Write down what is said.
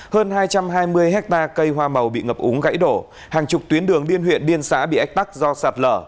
hơn hai trăm hai mươi hectare cây hoa màu bị ngập úng gãy đổ hàng chục tuyến đường liên huyện liên xã bị ách tắc do sạt lở